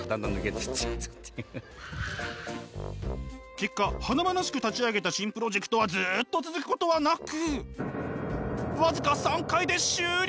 結果華々しく立ち上げた新プロジェクトはＺＯＯっと続くことはなく僅か３回で終了！？